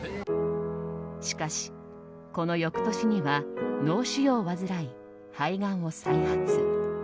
しかし、この翌年には脳腫瘍を患い、肺がんを再発。